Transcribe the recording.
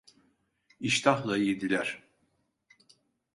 iştahla yediler.